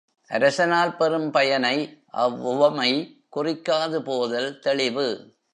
அரசனால் பெறும் பயனை அவ்வுவமை குறிக்காது போதல் தெளிவு.